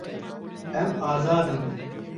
Em azad in.